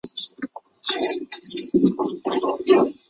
绿党在参议院有一位议员。